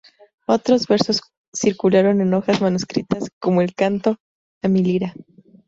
Otros versos circularon en hojas manuscritas, como el canto "A mi lira".